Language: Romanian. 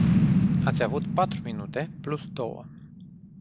Ați avut patru minute plus două.